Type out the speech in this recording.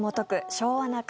「昭和な会」。